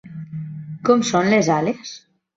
Com són les ales?